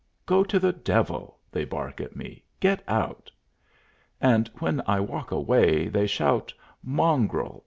"Go to the devil!" they bark at me. "Get out!" And when I walk away they shout "Mongrel!"